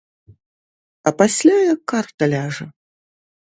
А пасля як карта ляжа.